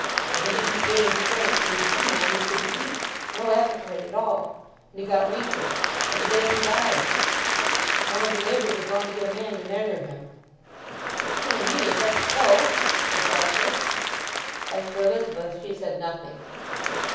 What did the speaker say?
But he didn't gain strength, for you see, ma'am, he couldn't eat—no appetite at all—and he got weaker; and to day he died. One of the neighbours have gone to get a man to measure him." "Dear me—is that so!" said Farfrae. As for Elizabeth, she said nothing.